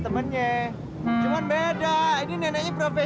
sesuai dengan mengungkul pertanian apapun